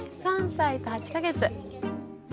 ３歳と８か月。